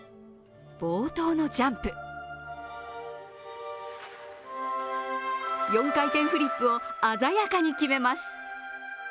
冒頭のジャンプ４回転フリップを鮮やかに決めます